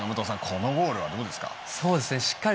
このゴールはどうですか？